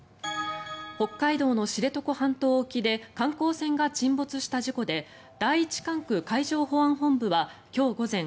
北海道の知床半島沖で観光船が沈没した事故で第一管区海上保安本部は今日午前